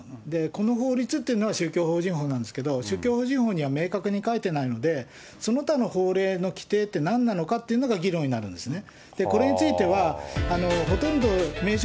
この法律っていうのは宗教法人法なんですけれども、宗教法人法には明確に書いてないので、その他の法令の規定ってなんなのかというのが議論になるんですね。